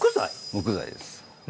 木材です。